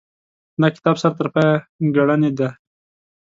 دا کتاب سر ترپایه ګړنې دي.